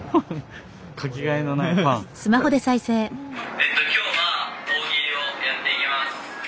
えっと今日は大喜利をやっていきます。